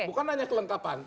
bukan hanya kelengkapan